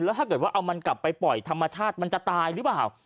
แล้วถ้าเกิดว่าเอามันกลับไปปล่อยธรรมชาติมันจะตายหรือเปล่า